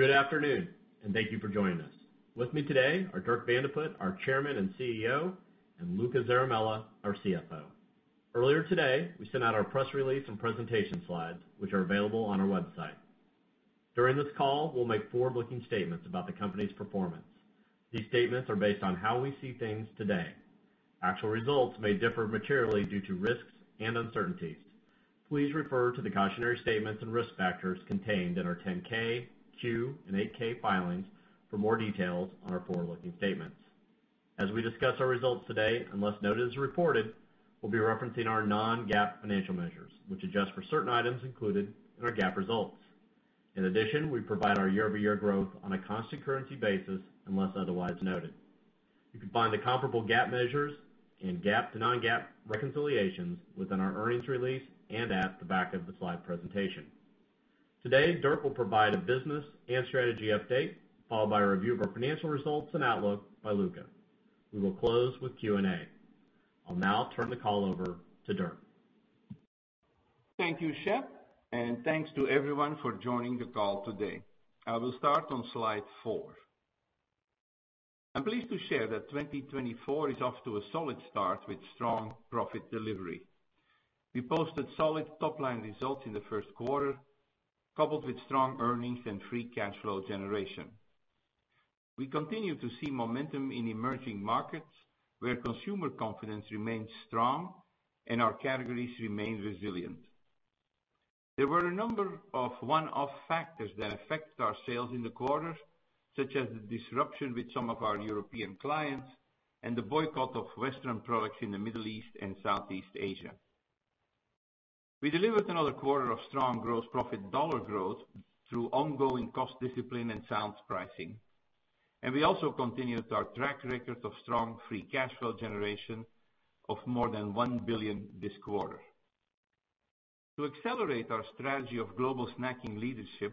Good afternoon, and thank you for joining us. With me today are Dirk Van de Put, our Chairman and CEO, and Luca Zaramella, our CFO. Earlier today, we sent out our press release and presentation slides, which are available on our website. During this call, we'll make forward-looking statements about the company's performance. These statements are based on how we see things today. Actual results may differ materially due to risks and uncertainties. Please refer to the cautionary statements and risk factors contained in our 10-K, 10-Q, and 8-K filings for more details on our forward-looking statements. As we discuss our results today, unless noted as reported, we'll be referencing our non-GAAP financial measures, which adjust for certain items included in our GAAP results. In addition, we provide our year-over-year growth on a constant currency basis, unless otherwise noted. You can find the comparable GAAP measures and GAAP to non-GAAP reconciliations within our earnings release and at the back of the slide presentation. Today, Dirk will provide a business and strategy update, followed by a review of our financial results and outlook by Luca. We will close with Q&A. I'll now turn the call over to Dirk. Thank you, Shep, and thanks to everyone for joining the call today. I will start on slide 4. I'm pleased to share that 2024 is off to a solid start with strong profit delivery. We posted solid top-line results in the Q1, coupled with strong earnings and free cash flow generation. We continue to see momentum in emerging markets, where consumer confidence remains strong and our categories remain resilient. There were a number of one-off factors that affected our sales in the quarter, such as the disruption with some of our European clients and the boycott of Western products in the Middle East and Southeast Asia. We delivered another quarter of strong gross profit dollar growth through ongoing cost discipline and sound pricing. We also continued our track record of strong free cash flow generation of more than $1 billion this quarter. To accelerate our strategy of global snacking leadership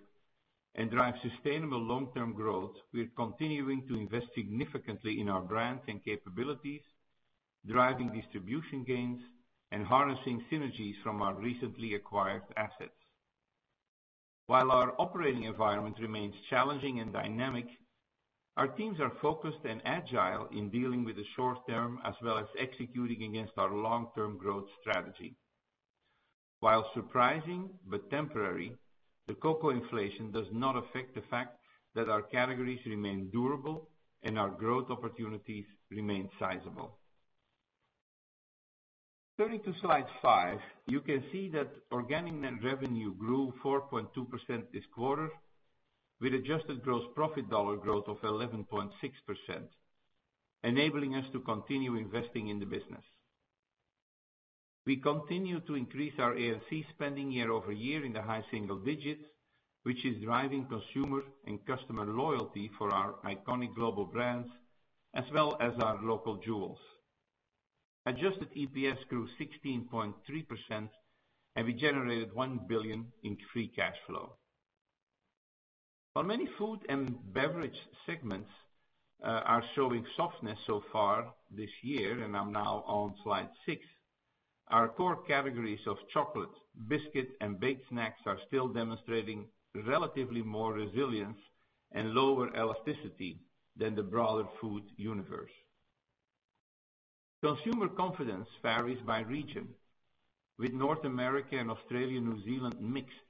and drive sustainable long-term growth, we are continuing to invest significantly in our brands and capabilities, driving distribution gains, and harnessing synergies from our recently acquired assets. While our operating environment remains challenging and dynamic, our teams are focused and agile in dealing with the short term, as well as executing against our long-term growth strategy. While surprising but temporary, the cocoa inflation does not affect the fact that our categories remain durable and our growth opportunities remain sizable. Turning to slide 5, you can see that organic net revenue grew 4.2% this quarter, with adjusted gross profit dollar growth of 11.6%, enabling us to continue investing in the business. We continue to increase our A&C spending year over year in the high single digits, which is driving consumer and customer loyalty for our iconic global brands, as well as our local jewels. Adjusted EPS grew 16.3%, and we generated $1 billion in free cash flow. While many food and beverage segments are showing softness so far this year, and I'm now on slide 6, our core categories of chocolate, biscuit, and baked snacks are still demonstrating relatively more resilience and lower elasticity than the broader food universe. Consumer confidence varies by region, with North America and Australia, New Zealand mixed,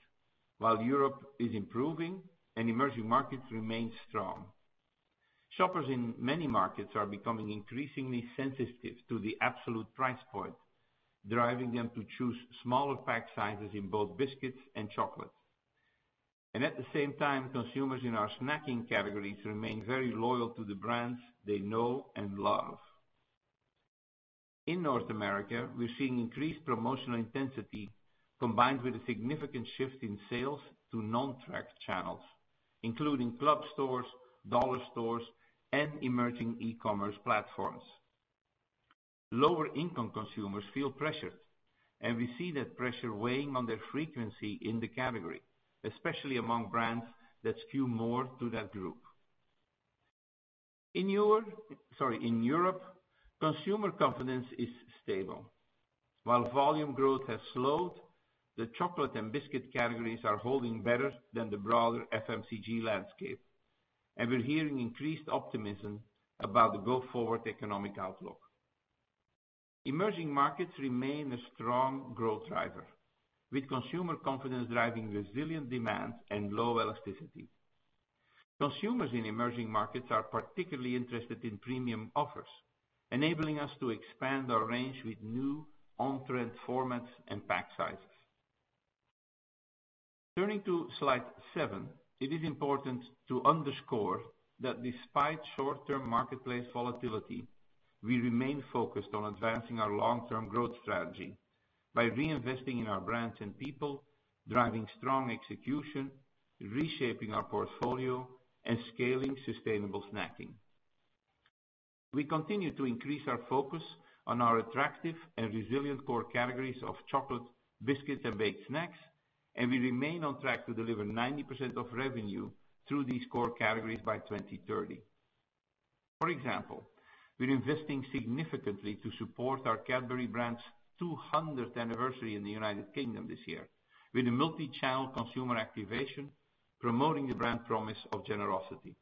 while Europe is improving and emerging markets remain strong. Shoppers in many markets are becoming increasingly sensitive to the absolute price point, driving them to choose smaller pack sizes in both biscuits and chocolates. At the same time, consumers in our snacking categories remain very loyal to the brands they know and love. In North America, we're seeing increased promotional intensity, combined with a significant shift in sales to non-tracked channels, including club stores, dollar stores, and emerging e-commerce platforms. Lower-income consumers feel pressured, and we see that pressure weighing on their frequency in the category, especially among brands that skew more to that group. In Europe... Sorry, in Europe, consumer confidence is stable. While volume growth has slowed, the chocolate and biscuit categories are holding better than the broader FMCG landscape, and we're hearing increased optimism about the go-forward economic outlook. Emerging markets remain a strong growth driver, with consumer confidence driving resilient demand and low elasticity. Consumers in emerging markets are particularly interested in premium offers, enabling us to expand our range with new on-trend formats and pack sizes. Turning to slide 7, it is important to underscore that despite short-term marketplace volatility, we remain focused on advancing our long-term growth strategy by reinvesting in our brands and people, driving strong execution, reshaping our portfolio, and scaling sustainable snacking. We continue to increase our focus on our attractive and resilient core categories of chocolate, biscuits, and baked snacks, and we remain on track to deliver 90% of revenue through these core categories by 2030. For example, we're investing significantly to support our Cadbury brand's 200th anniversary in the United Kingdom this year, with a multi-channel consumer activation, promoting the brand promise of generosity.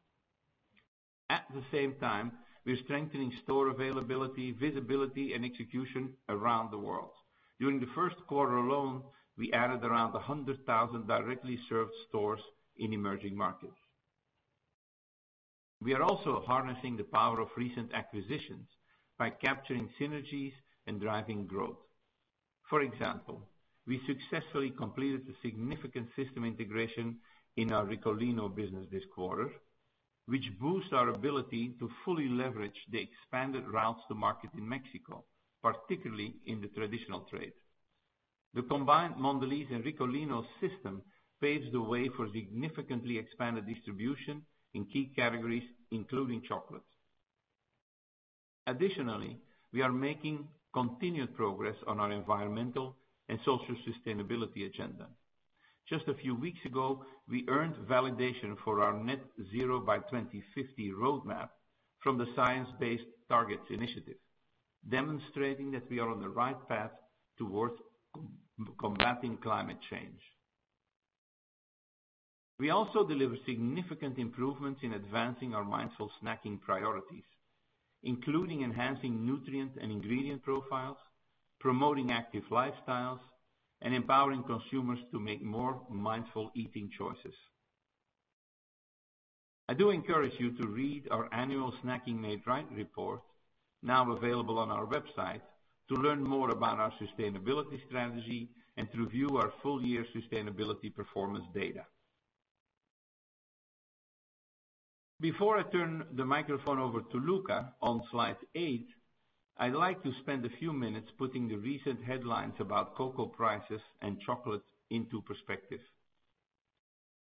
At the same time, we are strengthening store availability, visibility, and execution around the world. During the Q1 alone, we added around 100,000 directly served stores in emerging markets. We are also harnessing the power of recent acquisitions by capturing synergies and driving growth. For example, we successfully completed a significant system integration in our Ricolino business this quarter, which boosts our ability to fully leverage the expanded routes to market in Mexico, particularly in the traditional trade. The combined Mondelēz and Ricolino system paves the way for significantly expanded distribution in key categories, including chocolate. Additionally, we are making continued progress on our environmental and social sustainability agenda. Just a few weeks ago, we earned validation for our net zero by 2050 roadmap from the Science Based Targets initiative, demonstrating that we are on the right path towards combating climate change. We also deliver significant improvements in advancing our mindful snacking priorities, including enhancing nutrient and ingredient profiles, promoting active lifestyles, and empowering consumers to make more mindful eating choices. I do encourage you to read our annual Snacking Made Right report, now available on our website, to learn more about our sustainability strategy and to review our full year sustainability performance data. Before I turn the microphone over to Luca, on slide eight, I'd like to spend a few minutes putting the recent headlines about cocoa prices and chocolate into perspective.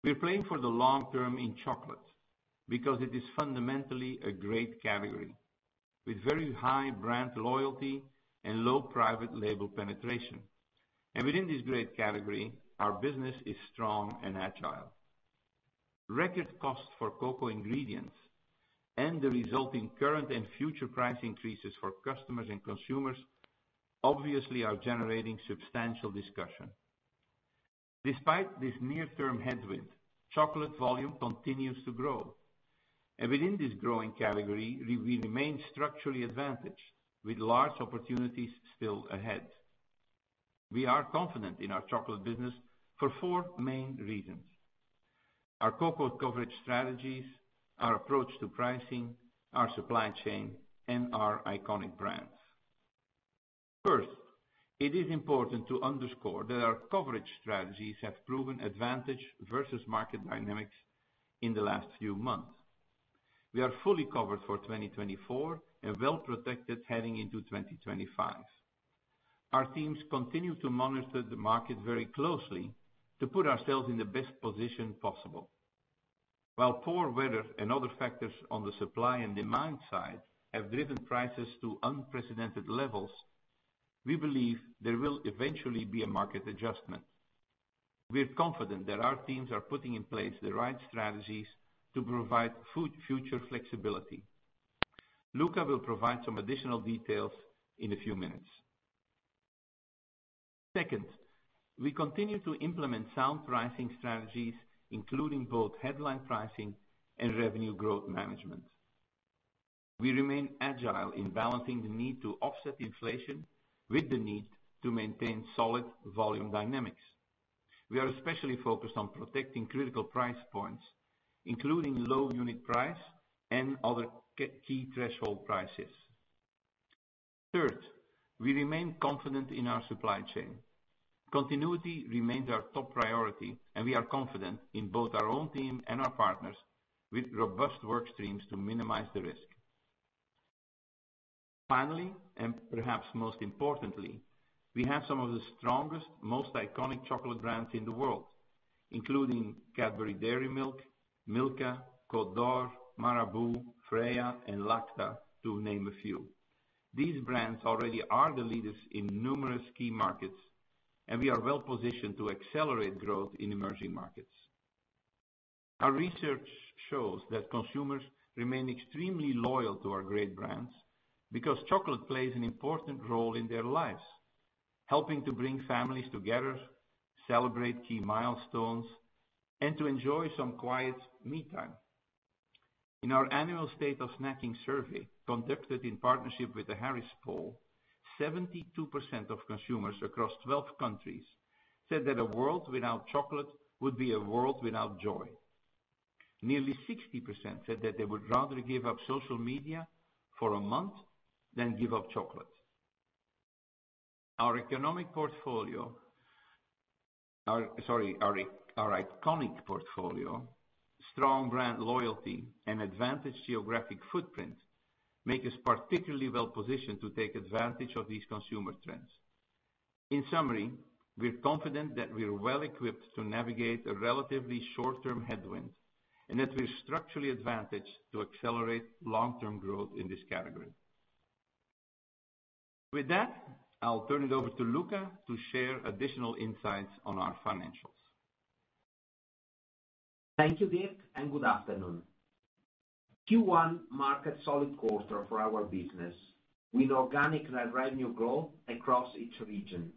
We're playing for the long term in chocolate because it is fundamentally a great category, with very high brand loyalty and low private label penetration. And within this great category, our business is strong and agile. Record costs for cocoa ingredients and the resulting current and future price increases for customers and consumers, obviously are generating substantial discussion. Despite this near-term headwind, chocolate volume continues to grow, and within this growing category, we remain structurally advantaged with large opportunities still ahead. We are confident in our chocolate business for four main reasons: our cocoa coverage strategies, our approach to pricing, our supply chain, and our iconic brands. First, it is important to underscore that our coverage strategies have proven advantage versus market dynamics in the last few months. We are fully covered for 2024 and well protected heading into 2025. Our teams continue to monitor the market very closely to put ourselves in the best position possible. While poor weather and other factors on the supply and demand side have driven prices to unprecedented levels, we believe there will eventually be a market adjustment. We're confident that our teams are putting in place the right strategies to provide future flexibility. Luca will provide some additional details in a few minutes. Second, we continue to implement sound pricing strategies, including both headline pricing and revenue growth management. We remain agile in balancing the need to offset inflation with the need to maintain solid volume dynamics. We are especially focused on protecting critical price points, including low unit price and other key threshold prices. Third, we remain confident in our supply chain. Continuity remains our top priority, and we are confident in both our own team and our partners with robust work streams to minimize the risk. Finally, and perhaps most importantly, we have some of the strongest, most iconic chocolate brands in the world, including Cadbury Dairy Milk, Milka, Côte d'Or, Marabou, Freia, and Lacta, to name a few. These brands already are the leaders in numerous key markets, and we are well positioned to accelerate growth in emerging markets. Our research shows that consumers remain extremely loyal to our great brands because chocolate plays an important role in their lives, helping to bring families together, celebrate key milestones, and to enjoy some quiet me time. In our annual State of Snacking survey, conducted in partnership with the Harris Poll, 72% of consumers across 12 countries said that a world without chocolate would be a world without joy. Nearly 60% said that they would rather give up social media for a month than give up chocolate. Our iconic portfolio, strong brand loyalty, and advantaged geographic footprint, make us particularly well positioned to take advantage of these consumer trends. In summary, we're confident that we're well equipped to navigate a relatively short-term headwind, and that we're structurally advantaged to accelerate long-term growth in this category. With that, I'll turn it over to Luca to share additional insights on our financials. Thank you, Dirk, and good afternoon. Q1 marked a solid quarter for our business, with organic revenue growth across each region,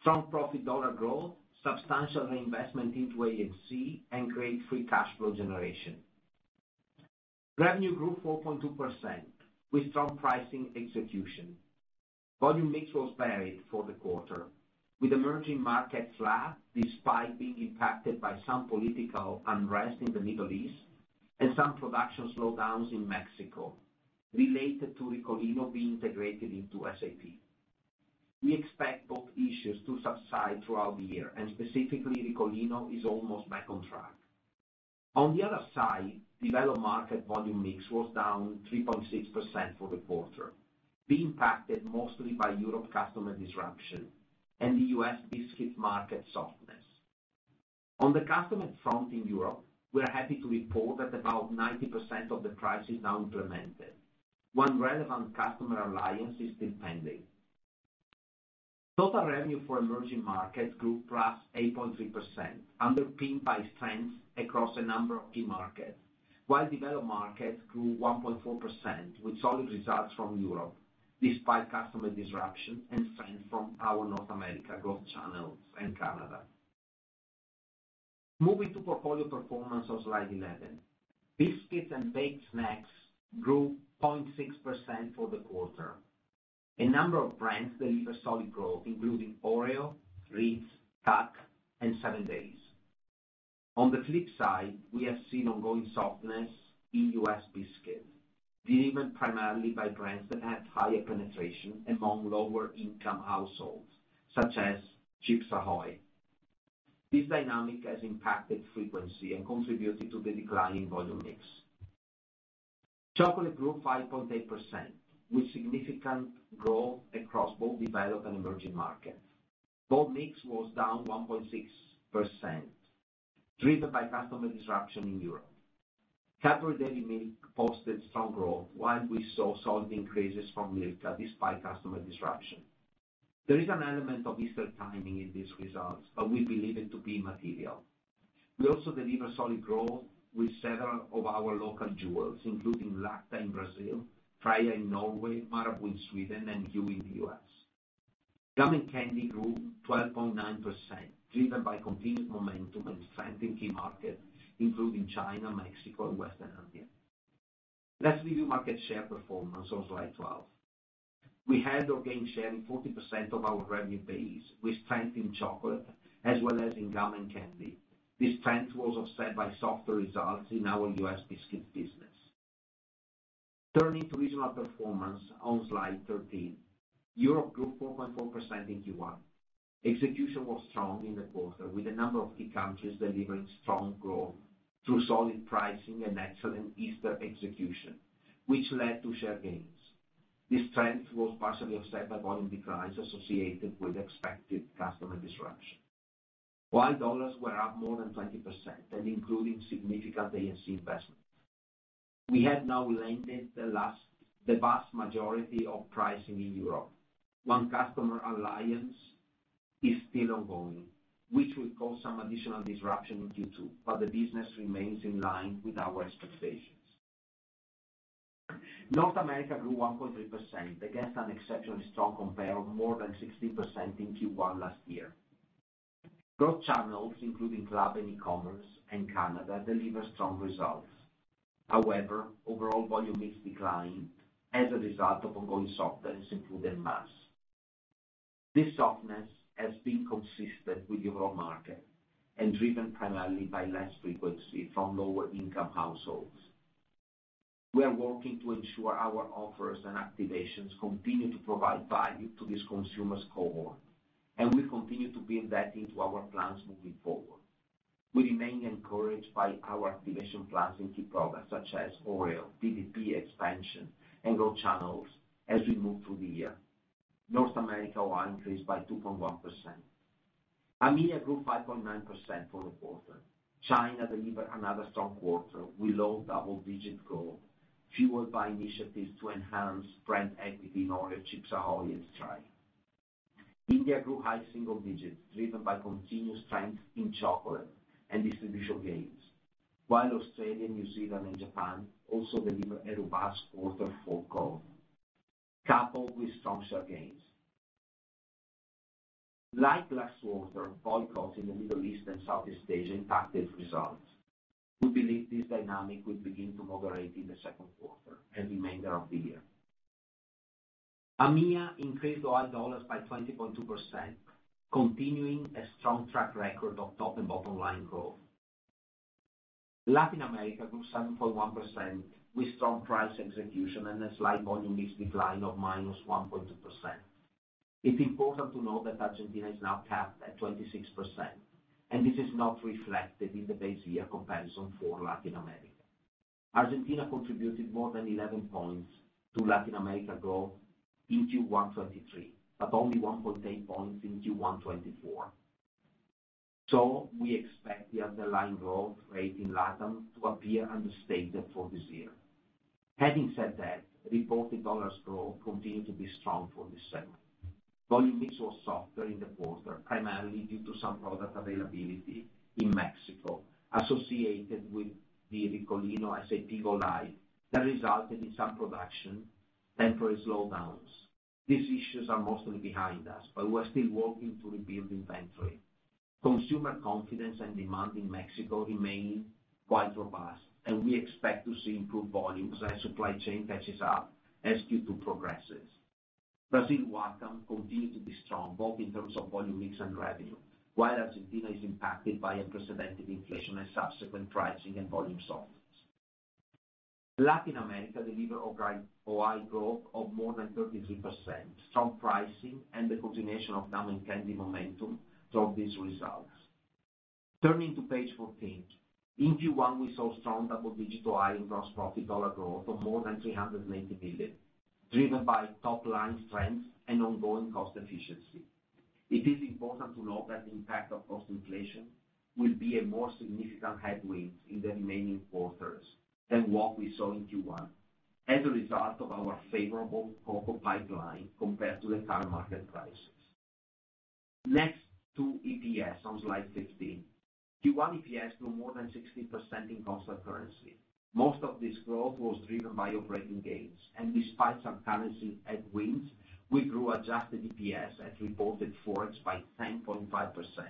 strong profit dollar growth, substantial reinvestment into A&C, and great free cash flow generation. Revenue grew 4.2%, with strong pricing execution. Volume mix was varied for the quarter, with emerging markets flat, despite being impacted by some political unrest in the Middle East and some production slowdowns in Mexico related to Ricolino being integrated into SAP. We expect both issues to subside throughout the year, and specifically, Ricolino is almost back on track. On the other side, developed market volume mix was down 3.6% for the quarter, being impacted mostly by Europe customer disruption and the U.S. biscuit market softness. On the customer front in Europe, we are happy to report that about 90% of the price is now implemented. One relevant customer alliance is still pending. Total revenue for emerging markets grew +8.3%, underpinned by strength across a number of key markets, while developed markets grew 1.4%, with solid results from Europe, despite customer disruption and strength from our North America growth channels and Canada. Moving to portfolio performance on slide 11. Biscuits and baked snacks grew 0.6% for the quarter. A number of brands delivered solid growth, including Oreo, Ritz, TUC, and 7Days. On the flip side, we have seen ongoing softness in U.S. biscuits, delivered primarily by brands that have higher penetration among lower income households, such as Chips Ahoy! This dynamic has impacted frequency and contributed to the decline in volume mix. Chocolate grew 5.8%, with significant growth across both developed and emerging markets. Volume mix was down 1.6%, driven by customer disruption in Europe. Cadbury Dairy Milk posted strong growth, while we saw solid increases from Milka, despite customer disruption. There is an element of Easter timing in these results, but we believe it to be immaterial. We also delivered solid growth with several of our local jewels, including Lacta in Brazil, Freia in Norway, Marabou in Sweden, and Hu in the US. Gum and candy grew 12.9%, driven by continued momentum and strength in key markets, including China, Mexico, and Western Andean. Let's review market share performance on slide 12. We had our gain share in 40% of our revenue base, with strength in chocolate as well as in gum and candy. This strength was offset by softer results in our US biscuit business. Turning to regional performance on slide 13. Europe grew 4.4% in Q1. Execution was strong in the quarter, with a number of key countries delivering strong growth through solid pricing and excellent Easter execution, which led to share gains. This strength was partially offset by volume declines associated with expected customer disruption, while dollars were up more than 20% and including significant A&C investment. We have now landed the vast majority of pricing in Europe. One customer alliance is still ongoing, which will cause some additional disruption in Q2, but the business remains in line with our expectations. North America grew 1.3% against an exceptionally strong compare of more than 16% in Q1 last year. Growth channels, including club and e-commerce and Canada, delivered strong results. However, overall volume mix declined as a result of ongoing softness, including mass. This softness has been consistent with the overall market and driven primarily by less frequency from lower income households. We are working to ensure our offers and activations continue to provide value to this consumer's cohort, and we continue to build that into our plans moving forward. We remain encouraged by our activation plans in key products such as Oreo, TDP expansion, and growth channels as we move through the year. North America will increase by 2.1%. AMEA grew 5.9% for the quarter. China delivered another strong quarter with low double-digit growth, fueled by initiatives to enhance brand equity in Oreo, Chips Ahoy! and Stride. India grew high single digits, driven by continuous strength in chocolate and distribution gains, while Australia, New Zealand, and Japan also delivered a robust quarter for growth, coupled with strong share gains. Like last quarter, boycotts in the Middle East and Southeast Asia impacted results. We believe this dynamic will begin to moderate in the Q2 and remainder of the year. AMEA increased our dollars by 20.2%, continuing a strong track record of top and bottom line growth. Latin America grew 7.1% with strong price execution and a slight volume mix decline of -1.2%. It's important to note that Argentina is now capped at 26%, and this is not reflected in the base year comparison for Latin America. Argentina contributed more than 11 points to Latin America growth in Q1 2023, but only 1.8 points in Q1 2024. So we expect the underlying growth rate in LATAM to appear understated for this year. Having said that, reported dollars growth continued to be strong for this segment. Volume mix was softer in the quarter, primarily due to some product availability in Mexico, associated with the Ricolino SAP go-live, that resulted in some production temporary slowdowns. These issues are mostly behind us, but we are still working to rebuild inventory. Consumer confidence and demand in Mexico remain quite robust, and we expect to see improved volumes as supply chain catches up as Q2 progresses. Brazil and Western Andean continue to be strong, both in terms of volume mix and revenue, while Argentina is impacted by unprecedented inflation and subsequent pricing and volume softness. Latin America delivered a high growth of more than 33%. Strong pricing and the continuation of gum and candy momentum drove these results. Turning to page 14. In Q1, we saw strong double-digit high in gross profit dollar growth of more than $380 million, driven by top-line strength and ongoing cost efficiency. It is important to note that the impact of cost inflation will be a more significant headwind in the remaining quarters than what we saw in Q1, as a result of our favorable cocoa pipeline compared to the current market prices. Next, to EPS on slide 15. Q1 EPS grew more than 60% in constant currency. Most of this growth was driven by operating gains, and despite some currency headwinds, we grew adjusted EPS at reported Forex by 10.5%.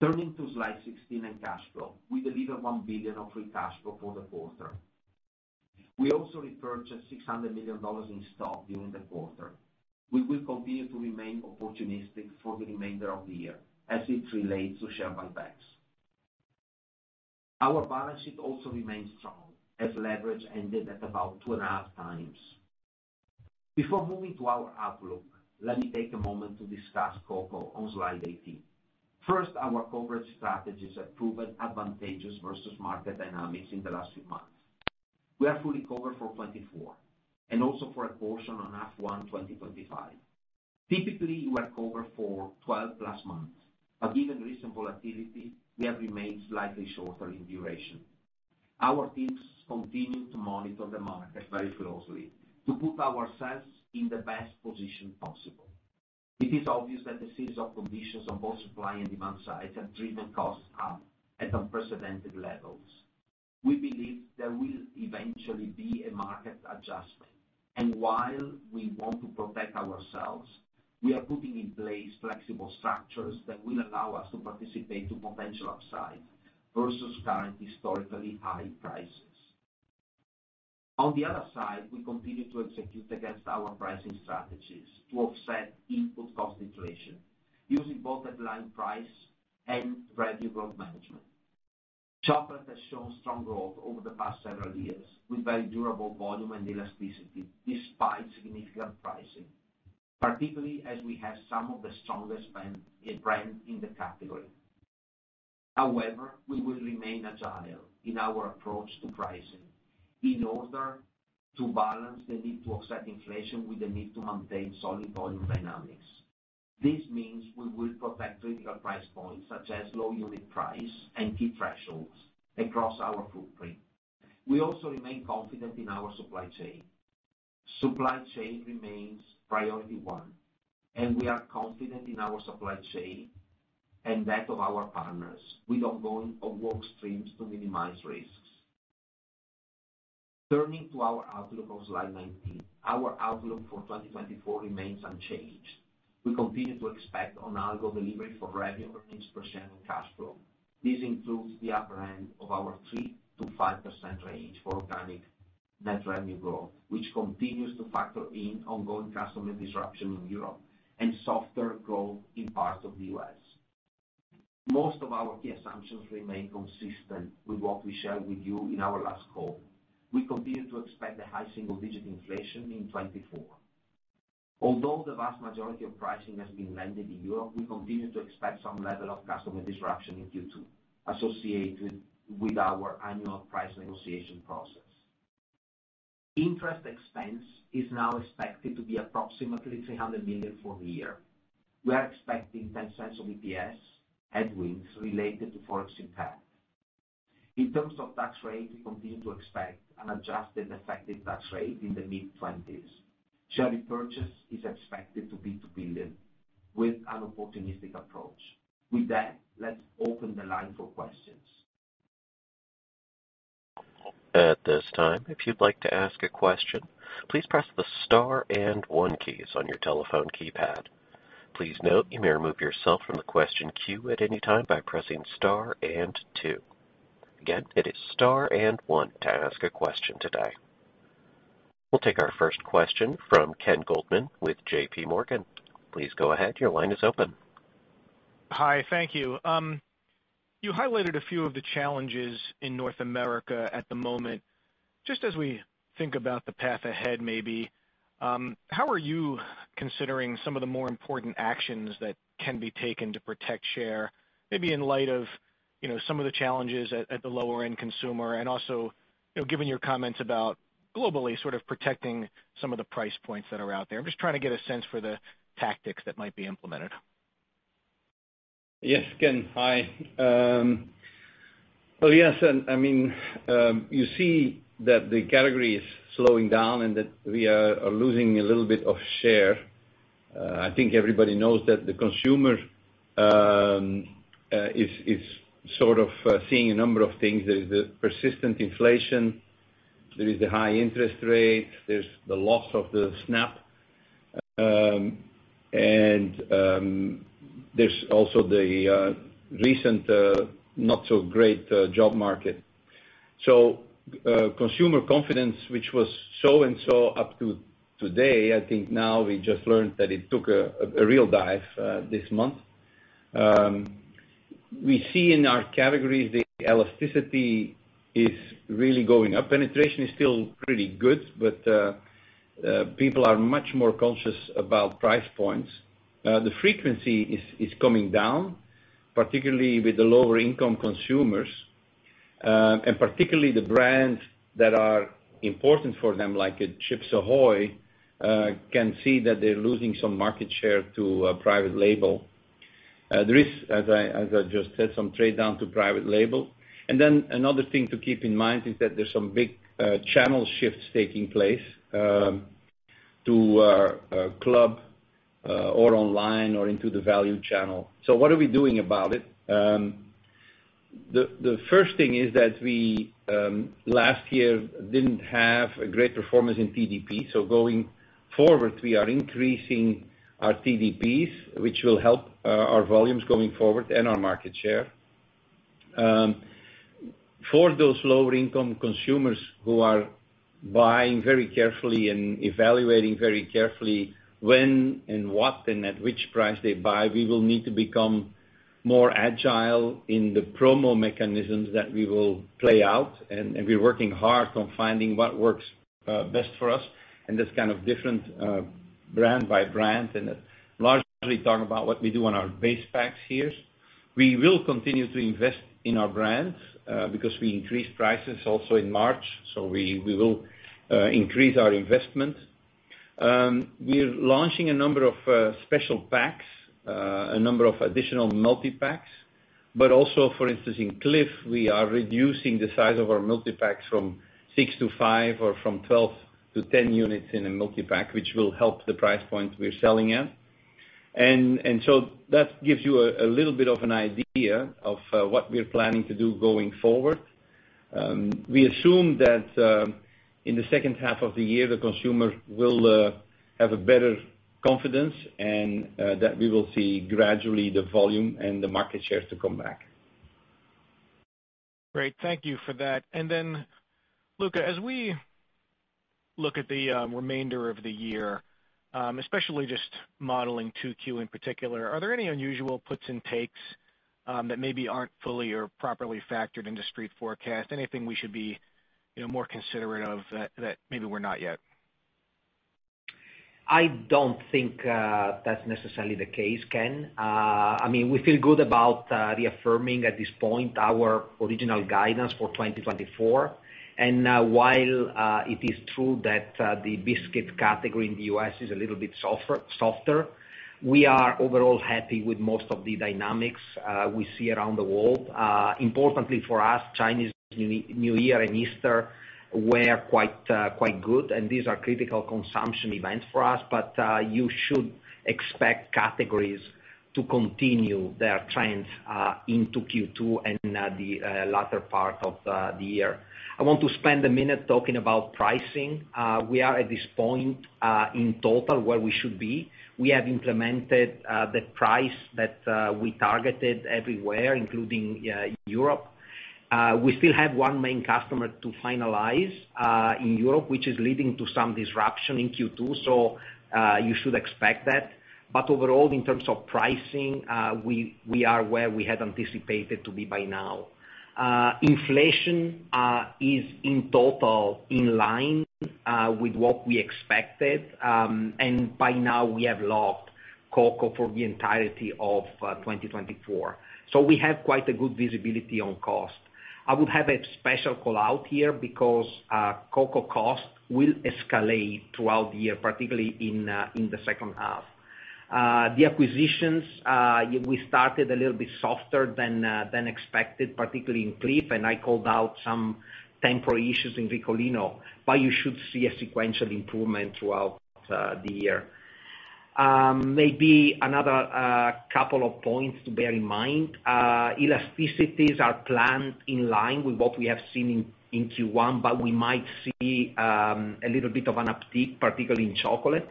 Turning to slide 16 and cash flow. We delivered $1 billion of free cash flow for the quarter. We also repurchased $600 million in stock during the quarter. We will continue to remain opportunistic for the remainder of the year as it relates to share buybacks. Our balance sheet also remains strong, as leverage ended at about 2.5 times. Before moving to our outlook, let me take a moment to discuss cocoa on slide 18. First, our coverage strategies have proven advantageous versus market dynamics in the last few months. We are fully covered for 2024, and also for a portion of first half, 2025. Typically, we are covered for 12+ months, but given recent volatility, we have remained slightly shorter in duration. Our teams continue to monitor the market very closely to put ourselves in the best position possible. It is obvious that the series of conditions on both supply and demand sides have driven costs up at unprecedented levels. We believe there will eventually be a market adjustment, and while we want to protect ourselves, we are putting in place flexible structures that will allow us to participate to potential upside versus current historically high prices. On the other side, we continue to execute against our pricing strategies to offset input cost inflation, using both headline price and revenue growth management. Chocolate has shown strong growth over the past several years, with very durable volume and elasticity, despite significant pricing, particularly as we have some of the strongest brands in the category. However, we will remain agile in our approach to pricing in order to balance the need to offset inflation with the need to maintain solid volume dynamics. This means we will protect critical price points, such as low unit price and key thresholds across our footprint. We also remain confident in our supply chain. Supply chain remains priority one, and we are confident in our supply chain and that of our partners, with ongoing work streams to minimize risks. Turning to our outlook on slide 19. Our outlook for 2024 remains unchanged. We continue to expect on algo delivery for revenue growth and cash flow. This includes the upper end of our 3%-5% range for organic net revenue growth, which continues to factor in ongoing customer disruption in Europe and softer growth in parts of the U.S. Most of our key assumptions remain consistent with what we shared with you in our last call. We continue to expect a high single-digit inflation in 2024. Although the vast majority of pricing has been landed in Europe, we continue to expect some level of customer disruption in Q2, associated with our annual price negotiation process. Interest expense is now expected to be approximately $300 million for the year. We are expecting $0.10 of EPS headwinds related to Forex impact. In terms of tax rate, we continue to expect an adjusted effective tax rate in the mid-20s%. Share repurchase is expected to be $2 billion, with an opportunistic approach. With that, let's open the line for questions. At this time, if you'd like to ask a question, please press the star and one keys on your telephone keypad. Please note, you may remove yourself from the question queue at any time by pressing star and two. Again, it is star and one to ask a question today. We'll take our first question from Ken Goldman with JP Morgan. Please go ahead, your line is open. Hi, thank you. You highlighted a few of the challenges in North America at the moment. Just as we think about the path ahead, maybe, how are you considering some of the more important actions that can be taken to protect share, maybe in light of you know, some of the challenges at the lower end consumer, and also, you know, given your comments about globally, sort of protecting some of the price points that are out there. I'm just trying to get a sense for the tactics that might be implemented. Yes, Ken, hi. Well, yes, and I mean, you see that the category is slowing down and that we are losing a little bit of share. I think everybody knows that the consumer is sort of seeing a number of things. There's the persistent inflation, there is the high interest rates, there's the loss of the SNAP, and there's also the recent not so great job market. So, consumer confidence, which was so and so up to today, I think now we just learned that it took a real dive this month. We see in our categories, the elasticity is really going up. Penetration is still pretty good, but people are much more conscious about price points. The frequency is coming down, particularly with the lower income consumers, and particularly the brands that are important for them, like Chips Ahoy!, can see that they're losing some market share to private label. There is, as I just said, some trade down to private label. And then another thing to keep in mind is that there's some big channel shifts taking place to club, or online or into the value channel. So what are we doing about it? The first thing is that we last year didn't have a great performance in TDP. So going forward, we are increasing our TDPs, which will help our volumes going forward and our market share. For those lower income consumers who are buying very carefully and evaluating very carefully when and what and at which price they buy, we will need to become more agile in the promo mechanisms that we will play out, and we're working hard on finding what works best for us in this kind of different brand by brand, and largely talk about what we do on our base packs here. We will continue to invest in our brands because we increased prices also in March, so we will increase our investment. We're launching a number of special packs, a number of additional multi-packs, but also, for instance, in Clif, we are reducing the size of our multi-packs from 6 to 5 or from 12 to 10 units in a multi-pack, which will help the price point we're selling at. And so that gives you a little bit of an idea of what we're planning to do going forward. We assume that in the second half of the year, the consumer will have better confidence, and that we will see gradually the volume and the market share come back. Great, thank you for that. And then, Luca, as we look at the remainder of the year, especially just modeling 2Q in particular, are there any unusual puts and takes that maybe aren't fully or properly factored into street forecast? Anything we should be, you know, more considerate of that maybe we're not yet? I don't think that's necessarily the case, Ken. I mean, we feel good about reaffirming at this point our original guidance for 2024. And while it is true that the biscuit category in the U.S. is a little bit softer, softer, we are overall happy with most of the dynamics we see around the world. Importantly for us, Chinese New Year and Easter were quite good, and these are critical consumption events for us, but you should expect categories to continue their trends into Q2 and the latter part of the year. I want to spend a minute talking about pricing. We are at this point in total where we should be. We have implemented the price that we targeted everywhere, including Europe. We still have one main customer to finalize, in Europe, which is leading to some disruption in Q2, so, you should expect that. But overall, in terms of pricing, we, we are where we had anticipated to be by now. Inflation, is in total in line, with what we expected, and by now, we have locked cocoa for the entirety of, 2024. So we have quite a good visibility on cost. I would have a special call-out here because, cocoa costs will escalate throughout the year, particularly in, in the second half. The acquisitions, we started a little bit softer than, than expected, particularly in Clif, and I called out some temporary issues in Ricolino, but you should see a sequential improvement throughout, the year. Maybe another couple of points to bear in mind. Elasticities are planned in line with what we have seen in Q1, but we might see a little bit of an uptick, particularly in chocolate.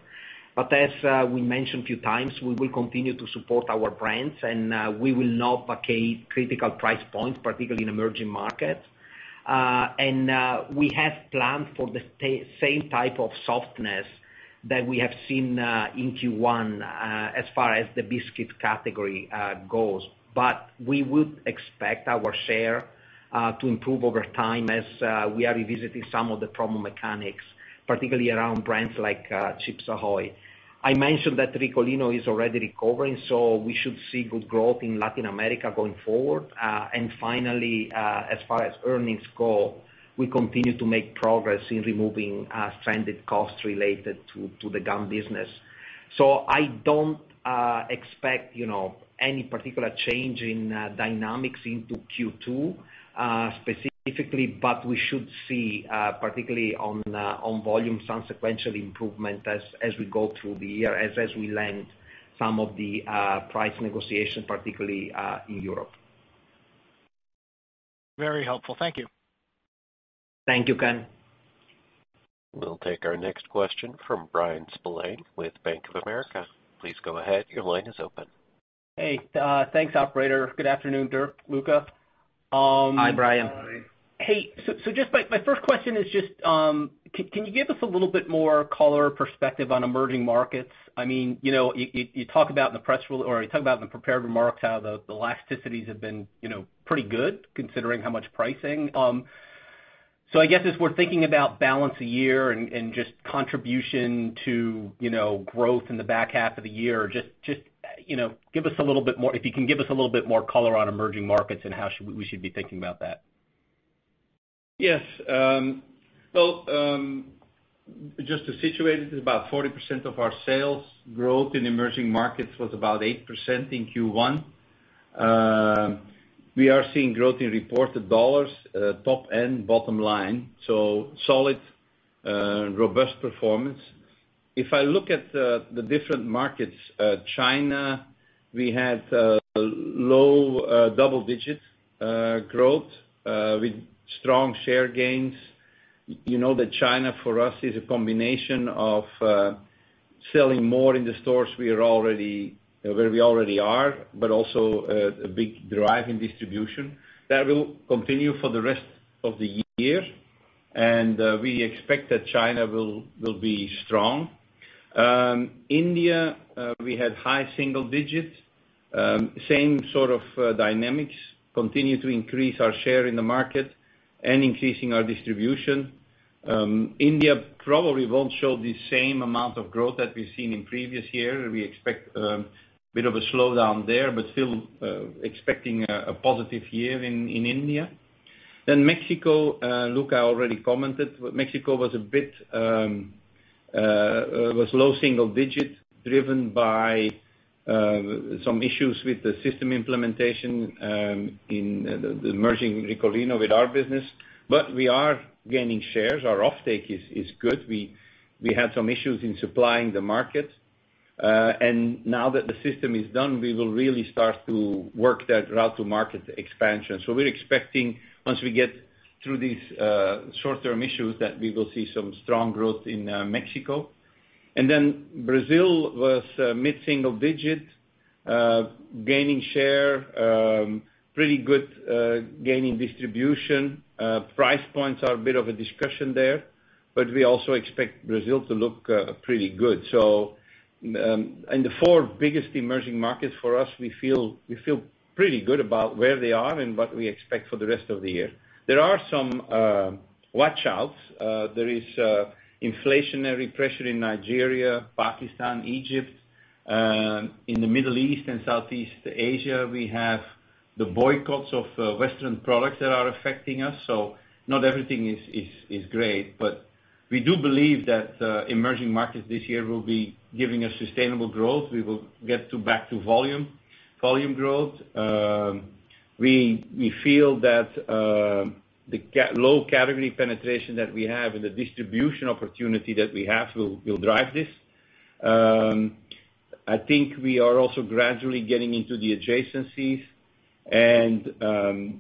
But as we mentioned a few times, we will continue to support our brands, and we will not vacate critical price points, particularly in emerging markets. We have planned for the same type of softness that we have seen in Q1 as far as the biscuit category goes. But we would expect our share to improve over time as we are revisiting some of the promo mechanics, particularly around brands like Chips Ahoy! I mentioned that Ricolino is already recovering, so we should see good growth in Latin America going forward. And finally, as far as earnings go, we continue to make progress in removing stranded costs related to the gum business. So I don't expect, you know, any particular change in dynamics into Q2 specifically, but we should see, particularly on volume, some sequential improvement as we go through the year, as we land some of the price negotiation, particularly in Europe. Very helpful. Thank you. Thank you, Ken. We'll take our next question from Brian Spillane with Bank of America. Please go ahead. Your line is open. Hey, thanks, operator. Good afternoon, Dirk, Luca. Hi, Brian. Hey, so just my first question is just, can you give us a little bit more color or perspective on emerging markets? I mean, you know, you talk about in the press release, or you talk about in the prepared remarks, how the elasticities have been, you know, pretty good, considering how much pricing. So I guess as we're thinking about balance a year and, and just contribution to, you know, growth in the back half of the year, just, you know, give us a little bit more... If you can give us a little bit more color on emerging markets and how we should be thinking about that. Yes. Well, just to situate it, about 40% of our sales growth in emerging markets was about 8% in Q1. We are seeing growth in reported dollars, top and bottom line, so solid, robust performance. If I look at the different markets, China, we had low double-digit growth with strong share gains. You know that China, for us, is a combination of selling more in the stores we are already where we already are, but also a big drive in distribution. That will continue for the rest of the year, and we expect that China will be strong. India, we had high single digits, same sort of dynamics, continue to increase our share in the market and increasing our distribution. India probably won't show the same amount of growth that we've seen in previous year. We expect a bit of a slowdown there, but still, expecting a positive year in India. Then Mexico, Luca already commented. Mexico was a bit, was low single-digit, driven by some issues with the system implementation in the merging Ricolino with our business. But we are gaining shares. Our offtake is good. We had some issues in supplying the market, and now that the system is done, we will really start to work that route to market expansion. So we're expecting, once we get through these short-term issues, that we will see some strong growth in Mexico. And then Brazil was mid-single-digit, gaining share, pretty good, gaining distribution. Price points are a bit of a discussion there, but we also expect Brazil to look pretty good. So, in the four biggest emerging markets for us, we feel, we feel pretty good about where they are and what we expect for the rest of the year. There are some watch outs. There is inflationary pressure in Nigeria, Pakistan, Egypt, in the Middle East and Southeast Asia, we have the boycotts of Western products that are affecting us, so not everything is, is, is great. But we do believe that emerging markets this year will be giving us sustainable growth. We will get to back to volume, volume growth. We, we feel that the low category penetration that we have and the distribution opportunity that we have will, will drive this. I think we are also gradually getting into the adjacencies, and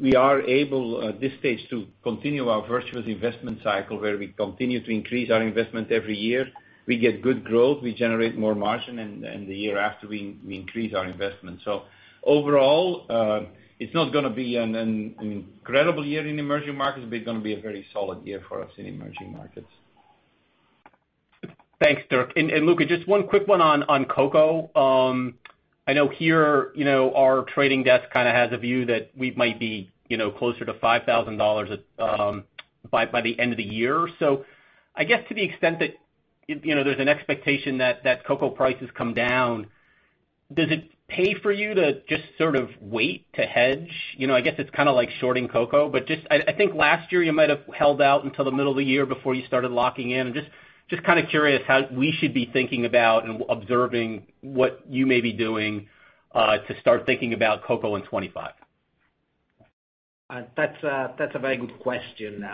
we are able, at this stage, to continue our virtuous investment cycle, where we continue to increase our investment every year. We get good growth, we generate more margin, and the year after, we increase our investment. So overall, it's not gonna be an incredible year in emerging markets, but it's gonna be a very solid year for us in emerging markets. Thanks, Dirk. And Luca, just one quick one on cocoa. I know here, you know, our trading desk kind of has a view that we might be, you know, closer to $5,000 by the end of the year. So I guess to the extent that you know, there's an expectation that cocoa prices come down, does it pay for you to just sort of wait to hedge? You know, I guess it's kind of like shorting cocoa, but just I think last year you might have held out until the middle of the year before you started locking in. Just kind of curious how we should be thinking about and observing what you may be doing to start thinking about cocoa in 2025. That's a very good question.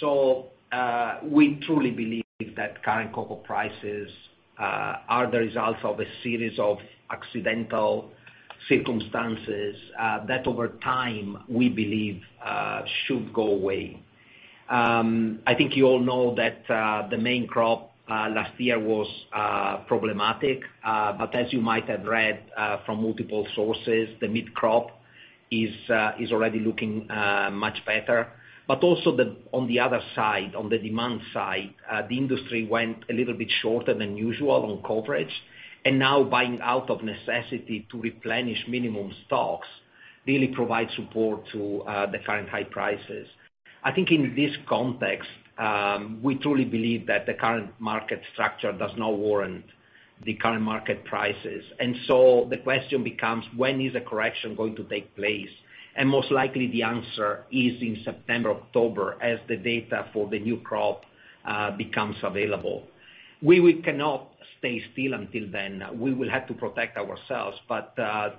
So, we truly believe that current cocoa prices are the results of a series of accidental circumstances that over time, we believe, should go away. I think you all know that the main crop last year was problematic, but as you might have read from multiple sources, the mid-crop is already looking much better. But also on the other side, on the demand side, the industry went a little bit shorter than usual on coverage, and now buying out of necessity to replenish minimum stocks really provides support to the current high prices. I think in this context, we truly believe that the current market structure does not warrant the current market prices. And so the question becomes: When is a correction going to take place? And most likely, the answer is in September, October, as the data for the new crop becomes available. We cannot stay still until then. We will have to protect ourselves, but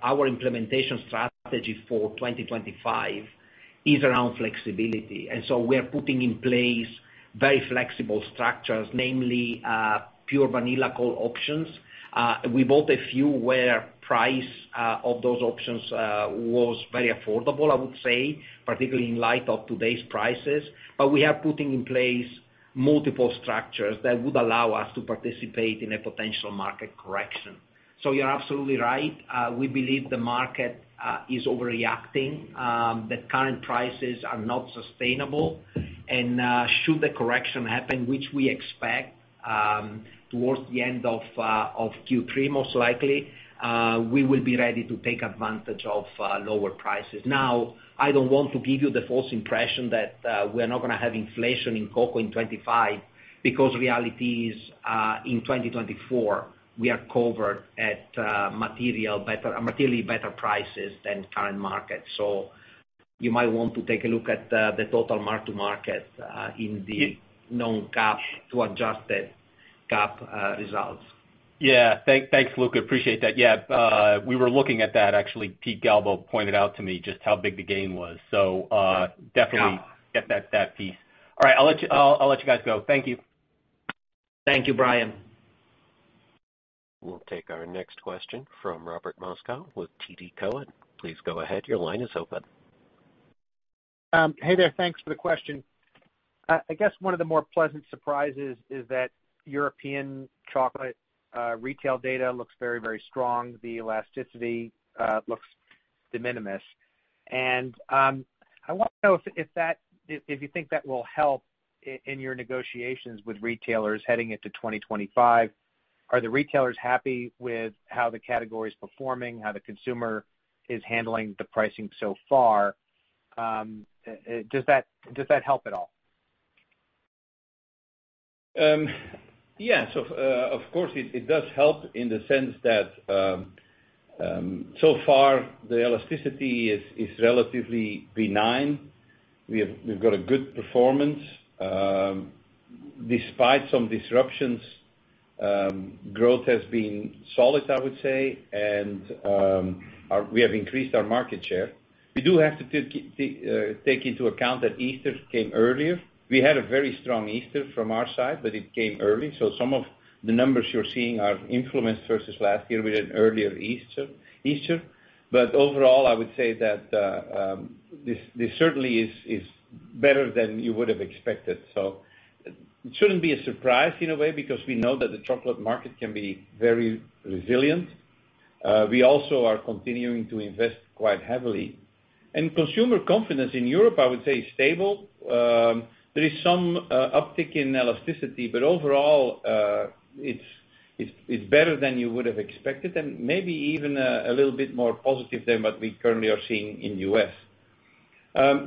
our implementation strategy for 2025 is around flexibility. And so we are putting in place very flexible structures, namely, pure vanilla call options. We bought a few where price of those options was very affordable, I would say, particularly in light of today's prices. But we are putting in place multiple structures that would allow us to participate in a potential market correction. So you're absolutely right. We believe the market is overreacting, that current prices are not sustainable. Should the correction happen, which we expect, towards the end of Q3, most likely, we will be ready to take advantage of lower prices. Now, I don't want to give you the false impression that we are not gonna have inflation in cocoa in 2025, because reality is, in 2024, we are covered at materially better prices than current market. So you might want to take a look at the total mark-to-market in the non-cash to adjusted GAAP results. Yeah. Thanks, Luca. Appreciate that. Yeah, we were looking at that, actually. Pete Galbo pointed out to me just how big the gain was. So, Yeah Definitely get that, that piece. All right, I'll let you guys go. Thank you. Thank you, Brian. We'll take our next question from Robert Moskow with TD Cowen. Please go ahead. Your line is open. Hey there. Thanks for the question. I guess one of the more pleasant surprises is that European chocolate retail data looks very, very strong. The elasticity looks de minimis. I want to know if you think that will help in your negotiations with retailers heading into 2025. Are the retailers happy with how the category is performing, how the consumer is handling the pricing so far? Does that help at all? Yeah, so, of course, it does help in the sense that so far, the elasticity is relatively benign. We have. We've got a good performance. Despite some disruptions, growth has been solid, I would say, and we have increased our market share. We do have to take into account that Easter came earlier. We had a very strong Easter from our side, but it came early, so some of the numbers you're seeing are influenced versus last year with an earlier Easter. But overall, I would say that this certainly is better than you would have expected. So it shouldn't be a surprise in a way, because we know that the chocolate market can be very resilient. We also are continuing to invest quite heavily. Consumer confidence in Europe, I would say, is stable. There is some uptick in elasticity, but overall, it's better than you would have expected, and maybe even a little bit more positive than what we currently are seeing in U.S.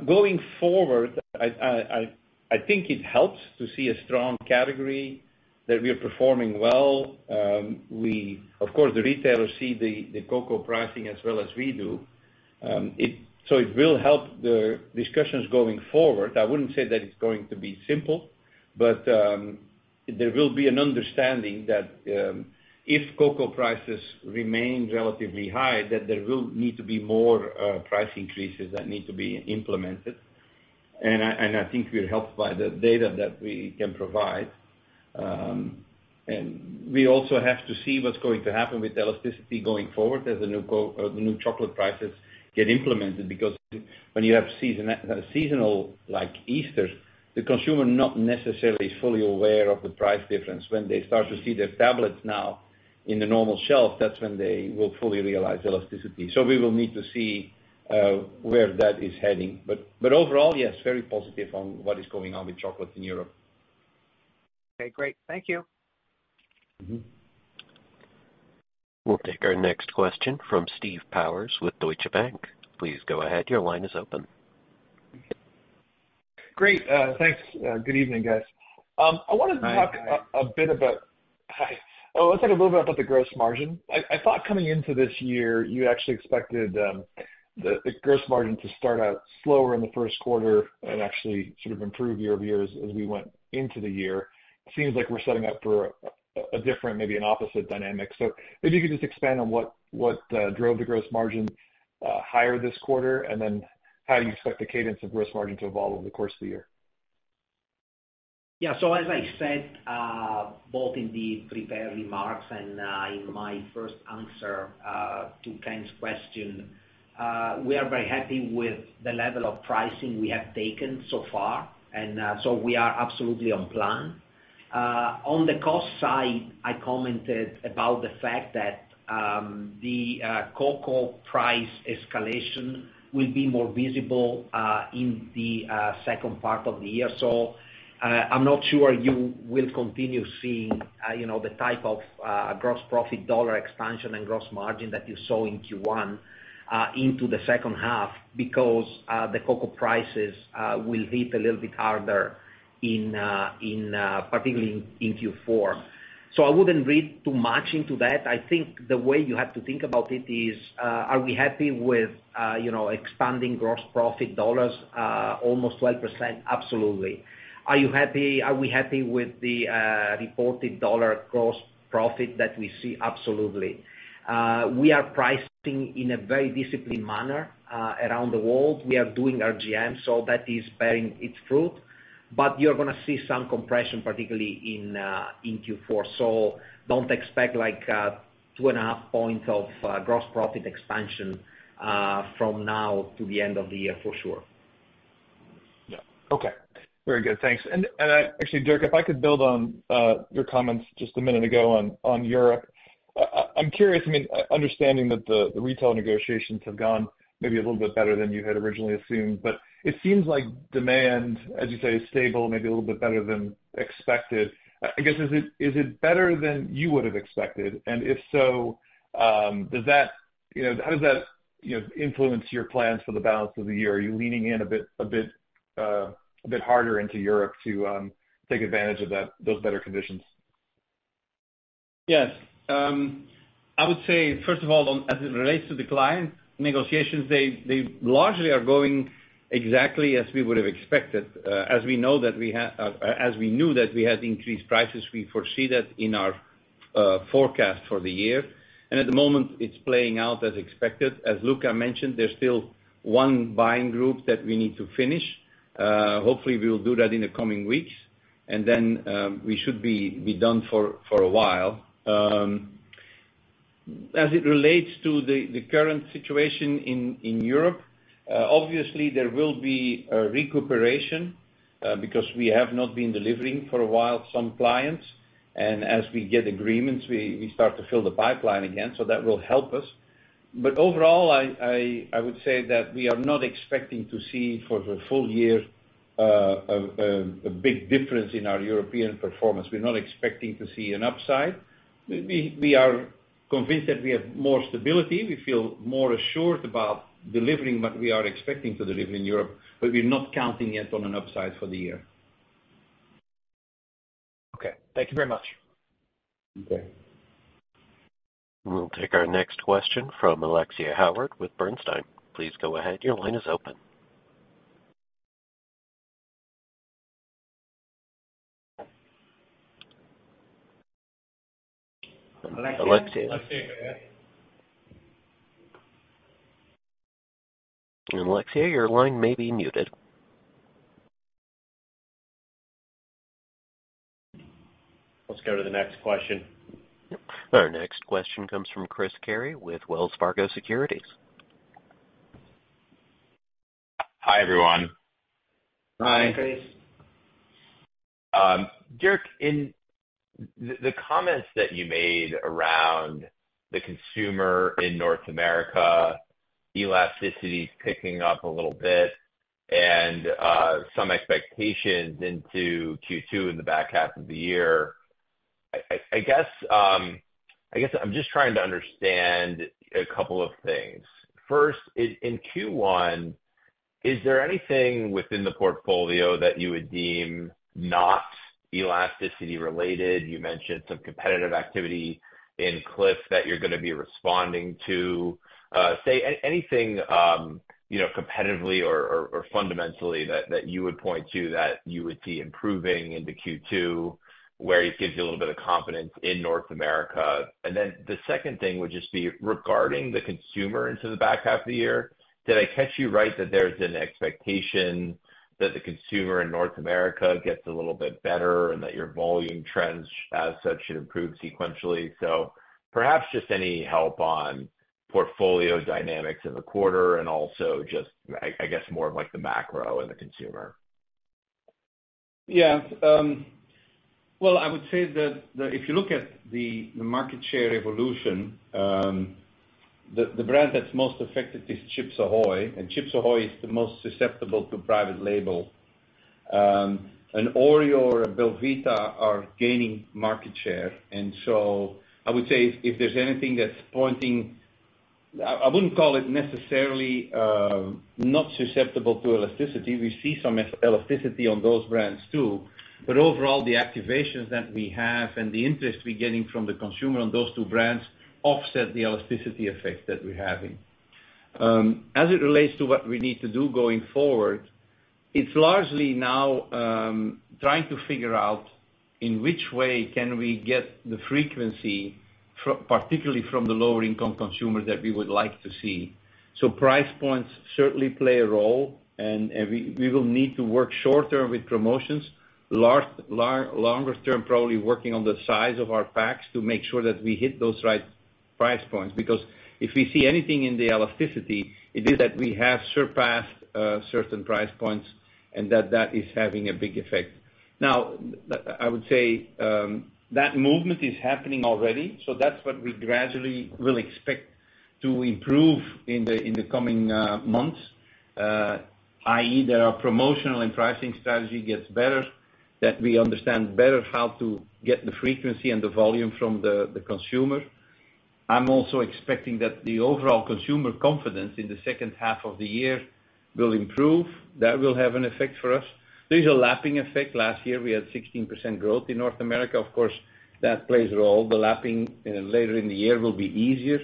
Going forward, I think it helps to see a strong category, that we are performing well. Of course, the retailers see the cocoa pricing as well as we do. So it will help the discussions going forward. I wouldn't say that it's going to be simple, but there will be an understanding that if cocoa prices remain relatively high, that there will need to be more price increases that need to be implemented. I think we're helped by the data that we can provide. And we also have to see what's going to happen with elasticity going forward as the new chocolate prices get implemented. Because when you have seasonal like Easter, the consumer not necessarily fully aware of the price difference. When they start to see the tablets now in the normal shelf, that's when they will fully realize elasticity. So we will need to see where that is heading. But overall, yes, very positive on what is going on with chocolate in Europe. Okay, great. Thank you. Mm-hmm. We'll take our next question from Steve Powers with Deutsche Bank. Please go ahead. Your line is open. Great. Thanks. Good evening, guys. I wanted to- Hi. Hi. I want to talk a little bit about the gross margin. I thought coming into this year, you actually expected the gross margin to start out slower in the Q1 and actually sort of improve year-over-year as we went into the year. Seems like we're setting up for a different, maybe an opposite dynamic. So maybe you could just expand on what drove the gross margin higher this quarter, and then how you expect the cadence of gross margin to evolve over the course of the year. Yeah. So as I said, both in the prepared remarks and, in my first answer, to Ken's question, we are very happy with the level of pricing we have taken so far, and, so we are absolutely on plan. On the cost side, I commented about the fact that, the cocoa price escalation will be more visible, in the second part of the year. So, I'm not sure you will continue seeing, you know, the type of, gross profit dollar expansion and gross margin that you saw in Q1, into the second half, because, the cocoa prices, will hit a little bit harder in, particularly in Q4. So I wouldn't read too much into that. I think the way you have to think about it is, are we happy with, you know, expanding gross profit dollars almost 12%? Absolutely. Are you happy-- Are we happy with the reported dollar gross profit that we see? Absolutely. We are pricing in a very disciplined manner around the world. We are doing RGM, so that is bearing its fruit, but you're gonna see some compression, particularly in Q4. So don't expect, like, 2.5 points of gross profit expansion from now to the end of the year, for sure. Yeah. Okay. Very good. Thanks. And actually, Dirk, if I could build on your comments just a minute ago on Europe. I'm curious, I mean, understanding that the retail negotiations have gone maybe a little bit better than you had originally assumed, but it seems like demand, as you say, is stable, maybe a little bit better than expected. I guess, is it better than you would have expected? And if so, does that... You know, how does that, you know, influence your plans for the balance of the year? Are you leaning in a bit, a bit, a bit harder into Europe to take advantage of that, those better conditions? Yes. I would say, first of all, as it relates to the client negotiations, they largely are going exactly as we would have expected. As we knew that we had increased prices, we foresee that in our forecast for the year. And at the moment, it's playing out as expected. As Luca mentioned, there's still one buying group that we need to finish. Hopefully, we will do that in the coming weeks, and then, we should be done for a while. As it relates to the current situation in Europe, obviously there will be a recuperation, because we have not been delivering for a while, some clients, and as we get agreements, we start to fill the pipeline again, so that will help us. But overall, I would say that we are not expecting to see, for the full year, a big difference in our European performance. We're not expecting to see an upside. We are convinced that we have more stability. We feel more assured about delivering what we are expecting to deliver in Europe, but we're not counting yet on an upside for the year. Okay. Thank you very much. Okay. We'll take our next question from Alexia Howard with Bernstein. Please go ahead. Your line is open. Alexia? Alexia, go ahead. And, Alexia, your line may be muted. Let's go to the next question. Our next question comes from Chris Carey with Wells Fargo Securities. Hi, everyone. Hi. Hi, Chris. Dirk, in the comments that you made around the consumer in North America, elasticity picking up a little bit and some expectations into Q2 in the back half of the year, I guess I'm just trying to understand a couple of things. First, in Q1, is there anything within the portfolio that you would deem not elasticity related? You mentioned some competitive activity in Clif that you're gonna be responding to. Anything, you know, competitively or fundamentally that you would point to, that you would see improving into Q2, where it gives you a little bit of confidence in North America? And then the second thing would just be regarding the consumer into the back half of the year. Did I catch you right, that there's an expectation that the consumer in North America gets a little bit better and that your volume trends, as such, should improve sequentially? So perhaps just any help on portfolio dynamics in the quarter, and also just, I, I guess, more of like the macro and the consumer? Yeah. Well, I would say that if you look at the market share evolution, the brand that's most affected is Chips Ahoy!, and Chips Ahoy! is the most susceptible to private label. And Oreo or belVita are gaining market share. And so I would say if there's anything that's pointing. I wouldn't call it necessarily not susceptible to elasticity. We see some elasticity on those brands, too. But overall, the activations that we have and the interest we're getting from the consumer on those two brands offset the elasticity effect that we're having. As it relates to what we need to do going forward, it's largely now trying to figure out in which way can we get the frequency particularly from the lower-income consumers, that we would like to see. So price points certainly play a role, and we will need to work shorter with promotions, longer term, probably working on the size of our packs to make sure that we hit those right- Price points, because if we see anything in the elasticity, it is that we have surpassed certain price points and that that is having a big effect. Now, I would say, that movement is happening already, so that's what we gradually will expect to improve in the coming months. i.e., that our promotional and pricing strategy gets better, that we understand better how to get the frequency and the volume from the consumer. I'm also expecting that the overall consumer confidence in the second half of the year will improve. That will have an effect for us. There's a lapping effect. Last year, we had 16% growth in North America. Of course, that plays a role. The lapping later in the year will be easier.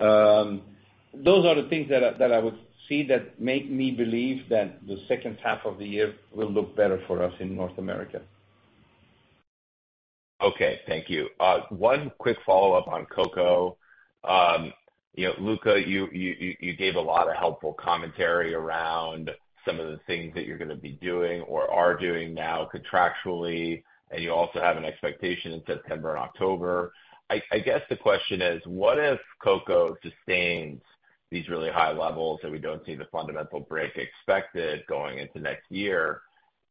Those are the things that I would see that make me believe that the second half of the year will look better for us in North America. Okay, thank you. One quick follow-up on cocoa. You know, Luca, you gave a lot of helpful commentary around some of the things that you're gonna be doing or are doing now contractually, and you also have an expectation in September and October. I guess, the question is, what if cocoa sustains these really high levels, and we don't see the fundamental break expected going into next year?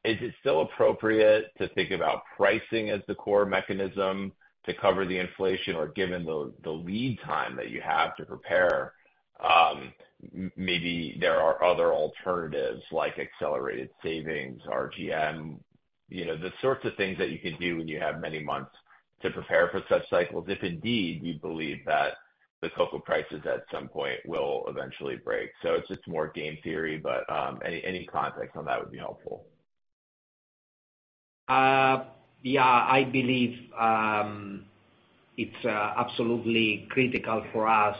Is it still appropriate to think about pricing as the core mechanism to cover the inflation? Or given the lead time that you have to prepare, maybe there are other alternatives like accelerated savings, RGM, you know, the sorts of things that you can do when you have many months to prepare for such cycles, if indeed you believe that the cocoa prices at some point will eventually break. So it's just more game theory, but, any, any context on that would be helpful. Yeah, I believe it's absolutely critical for us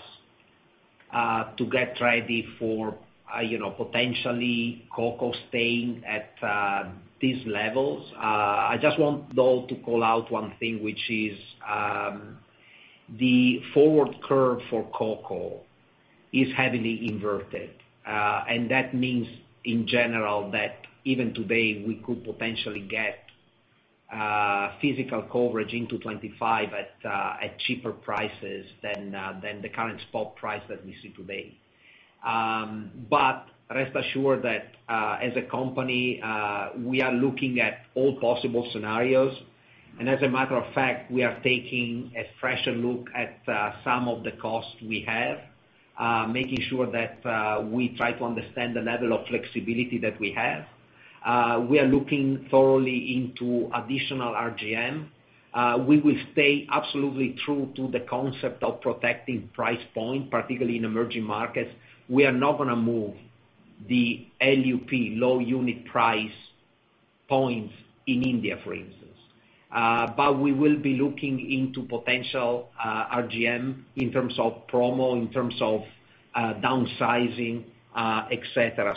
to get ready for, you know, potentially cocoa staying at these levels. I just want, though, to call out one thing, which is the forward curve for cocoa is heavily inverted. And that means, in general, that even today, we could potentially get physical coverage into 2025 at cheaper prices than the current spot price that we see today. But rest assured that, as a company, we are looking at all possible scenarios, and as a matter of fact, we are taking a fresher look at some of the costs we have, making sure that we try to understand the level of flexibility that we have. We are looking thoroughly into additional RGM. We will stay absolutely true to the concept of protecting price point, particularly in emerging markets. We are not gonna move the LUP, low unit price, points in India, for instance. But we will be looking into potential, RGM in terms of promo, in terms of, downsizing, et cetera.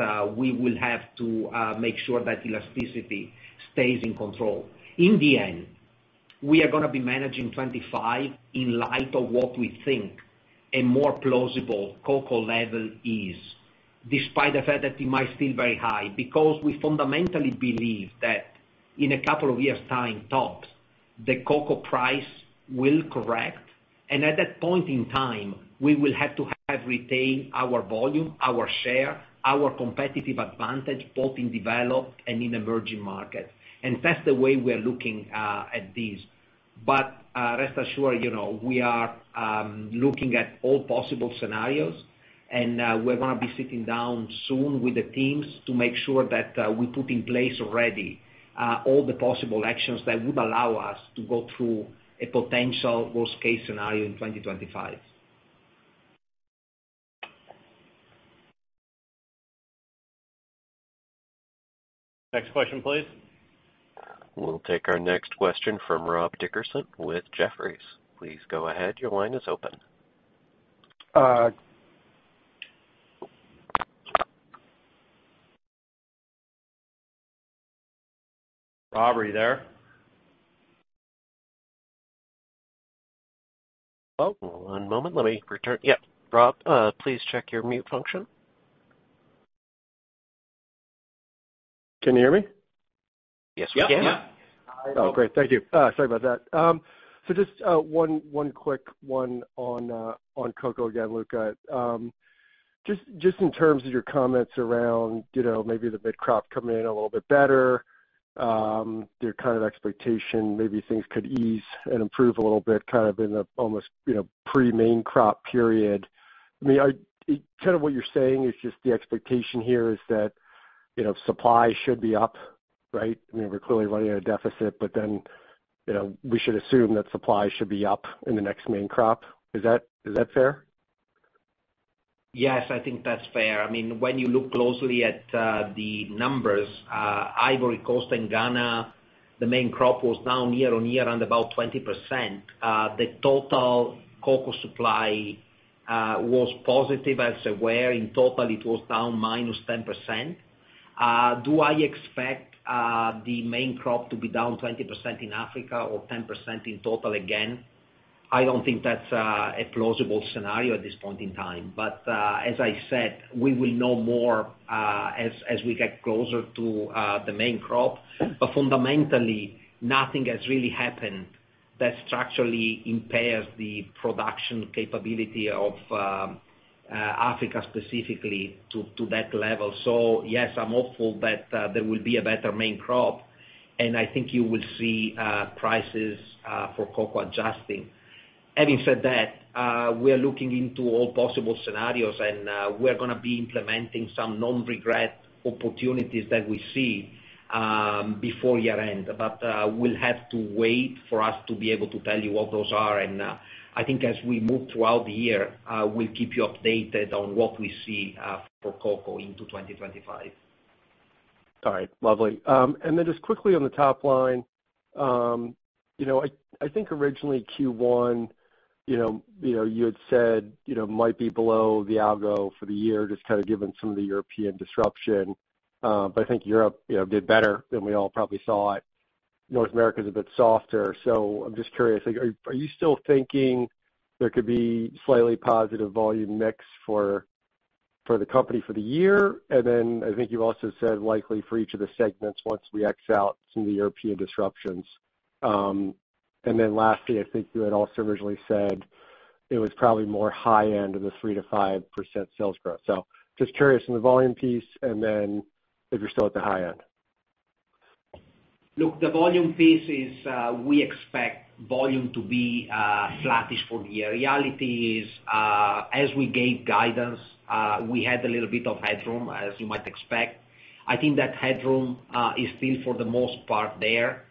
So to say that, we will have to, make sure that elasticity stays in control. In the end, we are gonna be managing 25 in light of what we think a more plausible cocoa level is, despite the fact that it might seem very high, because we fundamentally believe that in a couple of years' time, tops, the cocoa price will correct, and at that point in time, we will have to have retained our volume, our share, our competitive advantage, both in developed and in emerging markets. That's the way we are looking at this. But, rest assured, you know, we are looking at all possible scenarios, and we're gonna be sitting down soon with the teams to make sure that we put in place already all the possible actions that would allow us to go through a potential worst case scenario in 2025. Next question, please. We'll take our next question from Rob Dickerson with Jefferies. Please go ahead. Your line is open. Rob, are you there? Oh, one moment. Let me return. Yeah, Rob, please check your mute function. Can you hear me? Yes, we can. Yeah, yeah. Oh, great. Thank you. Sorry about that. So just one quick one on cocoa again, Luca. Just in terms of your comments around, you know, maybe the mid-crop coming in a little bit better, your kind of expectation, maybe things could ease and improve a little bit, kind of in almost, you know, pre-main crop period. I mean, kind of what you're saying is just the expectation here is that, you know, supply should be up, right? I mean, we're clearly running at a deficit, but then, you know, we should assume that supply should be up in the next main crop. Is that fair? Yes, I think that's fair. I mean, when you look closely at the numbers, Ivory Coast and Ghana, the main crop was down year-on-year, around about 20%. The total cocoa supply was positive elsewhere. In total, it was down -10%. Do I expect the main crop to be down 20% in Africa or 10% in total again? I don't think that's a plausible scenario at this point in time. But, as I said, we will know more as we get closer to the main crop. But fundamentally, nothing has really happened that structurally impairs the production capability of Africa specifically to that level. So yes, I'm hopeful that there will be a better main crop, and I think you will see prices for cocoa adjusting. Having said that, we are looking into all possible scenarios, and, we're gonna be implementing some non-regret opportunities that we see, before year-end. But, we'll have to wait for us to be able to tell you what those are, and, I think as we move throughout the year, we'll keep you updated on what we see, for cocoa into 2025. All right. Lovely. And then just quickly on the top line, you know, I think originally Q1, you know, you had said, you know, might be below the algo for the year, just kind of given some of the European disruption. But I think Europe, you know, did better than we all probably saw it. North America's a bit softer. So I'm just curious, like, are you still thinking there could be slightly positive volume mix for the company for the year? And then I think you also said likely for each of the segments once we ex out some of the European disruptions. And then lastly, I think you had also originally said it was probably more high end of the 3%-5% sales growth. Just curious on the volume piece, and then if you're still at the high end? Look, the volume piece is, we expect volume to be flattish for the year. Reality is, as we gave guidance, we had a little bit of headroom, as you might expect. I think that headroom is still, for the most part, there.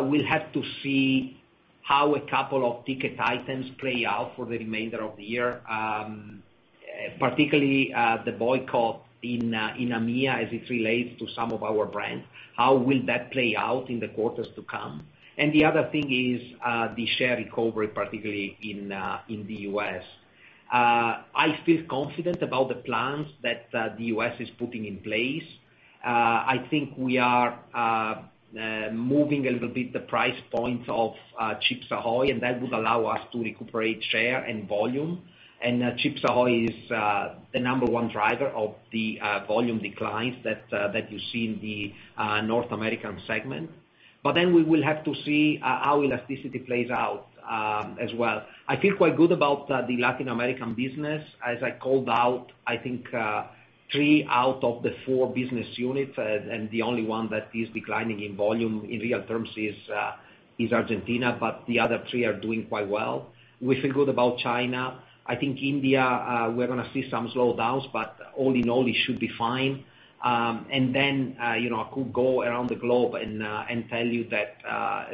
We'll have to see how a couple of ticket items play out for the remainder of the year, particularly, the boycott in, in AMEA as it relates to some of our brands. How will that play out in the quarters to come? And the other thing is, the share recovery, particularly in, in the US. I feel confident about the plans that, the US is putting in place. I think we are moving a little bit the price points of Chips Ahoy, and that would allow us to recuperate share and volume. Chips Ahoy is the number one driver of the volume declines that you see in the North American segment. But then we will have to see how elasticity plays out, as well. I feel quite good about the Latin American business. As I called out, I think three out of the four business units, and the only one that is declining in volume in real terms is Argentina, but the other three are doing quite well. We feel good about China. I think India, we're gonna see some slowdowns, but all in all, it should be fine. And then, you know, I could go around the globe and tell you that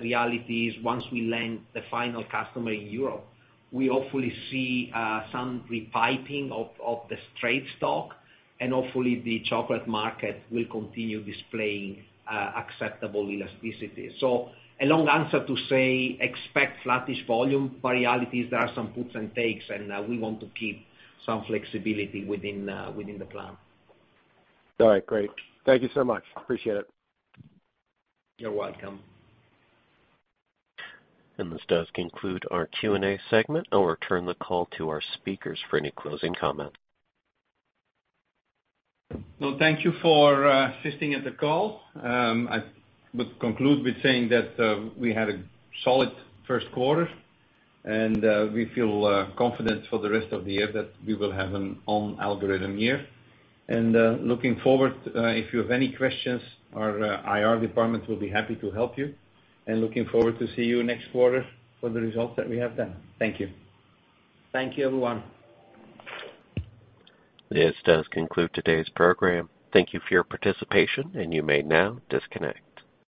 reality is once we land the final customer in Europe, we hopefully see some repiping of the trade stock, and hopefully, the chocolate market will continue displaying acceptable elasticity. So a long answer to say, expect flattish volume, but reality is there are some puts and takes, and we want to keep some flexibility within the plan. All right, great. Thank you so much. Appreciate it. You're welcome. This does conclude our Q&A segment. I'll return the call to our speakers for any closing comments. Well, thank you for assisting at the call. I would conclude with saying that we had a solid first quarter, and we feel confident for the rest of the year that we will have an on-algorithm year. Looking forward, if you have any questions, our IR department will be happy to help you. Looking forward to see you next quarter for the results that we have then. Thank you. Thank you, everyone. This does conclude today's program. Thank you for your participation, and you may now disconnect.